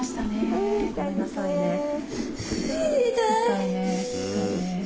痛いね。